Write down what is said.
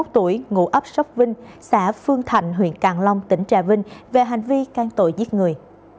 bốn mươi một tuổi ngụ ấp sóc vinh xã phương thạnh huyện càng long tp hcm về hành vi can tội giết người